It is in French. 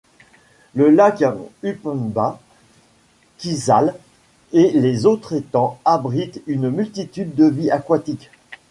Le lac Upemba, Kisale et les autres étangs abritent une multitude de vies aquatiques.